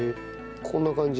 こんな感じ？